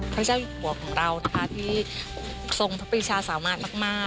พระเจ้าอยู่หัวของเรานะคะที่ทรงพระปริชาสามารถมาก